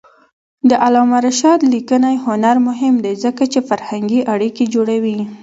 د علامه رشاد لیکنی هنر مهم دی ځکه چې فرهنګي اړیکې جوړوي.